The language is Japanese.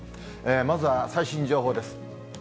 まずは最新情報です。